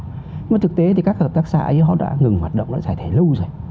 nhưng mà thực tế thì các hợp tác xã ấy họ đã ngừng hoạt động đã giải thể lâu rồi